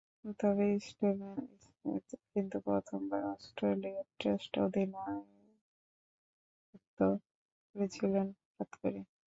তবে Steven Smith কিন্তু প্রথমবার অস্ট্রেলিয়ার টেস্ট অধিনায়কত্ব করেছিলেন হঠাৎ করেই।